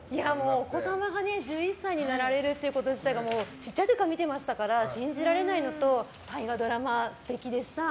お子様が１１歳になられるということ自体が小さい時から見てましたから信じられないのと大河ドラマ、素敵でした。